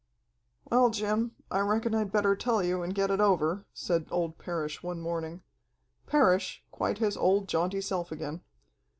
"Well, Jim, I reckon I'd better tell you and get it over," said old Parrish one morning Parrish, quite his old, jaunty self again.